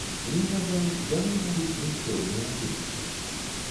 І, на жаль, яны могуць мець пэўныя вынікі.